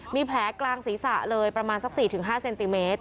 มีแผลกลางศีรษะเลยประมาณสัก๔๕เซนติเมตร